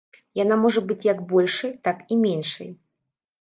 Яна можа быць як большай, так і меншай.